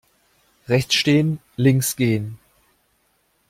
Rechts stehen, links gehen.